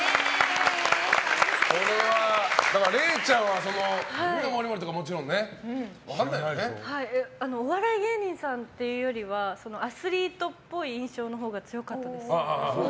れいちゃんは「夢がＭＯＲＩＭＯＲＩ」はお笑い芸人さんっていうよりはアスリートっぽい印象のほうが強かったです。